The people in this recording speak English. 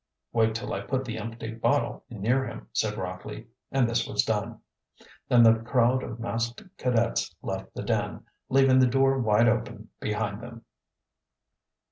"Wait till I put the empty bottle near him," said Rockley, and this was done. Then the crowd of masked cadets left the den, leaving the door wide open behind them.